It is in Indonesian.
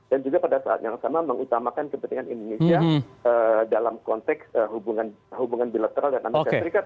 dan juga pada saat yang sama mengutamakan kepentingan indonesia dalam konteks hubungan bilateral dengan amerika serikat